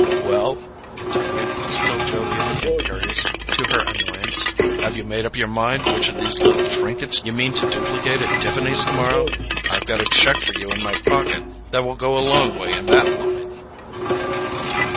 "Well," he continued, still jovially impervious to her annoyance, "have you made up your mind which of these little trinkets you mean to duplicate at Tiffany's tomorrow? I've got a cheque for you in my pocket that will go a long way in that line!"